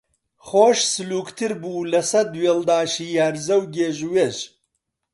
خۆش سلووکتر بوو لە سەد وێڵداشی هەرزە و گێژ و وێژ